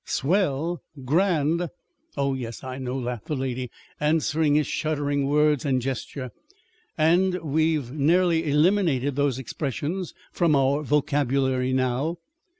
'" "Swell! Grand!" "Oh, yes, I know," laughed the lady, answering his shuddering words and gesture. "And we've nearly eliminated those expressions from our vocabulary now.